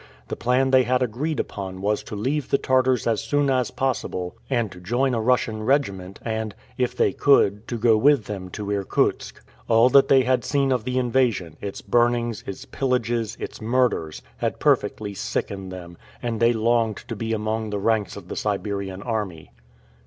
The plan they had agreed upon was to leave the Tartars as soon as possible, and to join a Russian regiment, and, if they could, to go with them to Irkutsk. All that they had seen of the invasion, its burnings, its pillages, its murders, had perfectly sickened them, and they longed to be among the ranks of the Siberian army.